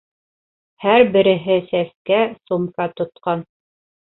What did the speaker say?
Һәр береһе сәскә, сумка тотҡан.